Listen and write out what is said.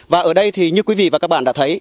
và ở đây thì như quý vị và các bạn đã thấy